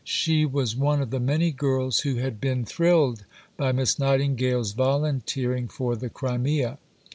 She was one of the many girls who had been thrilled by Miss Nightingale's volunteering for the Crimea.